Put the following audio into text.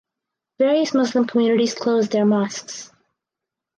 Various Muslim communities closed their mosques.